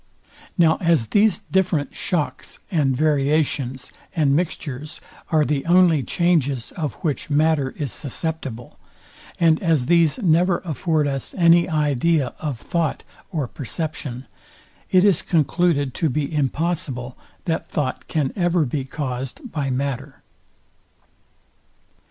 Now as these different shocks, and variations, and mixtures are the only changes, of which matter is susceptible, and as these never afford us any idea of thought or perception, it is concluded to be impossible, that thought can ever be caused by matter.